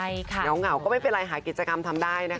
เหงาก็ไม่เป็นไรหากิจกรรมทำได้นะคะ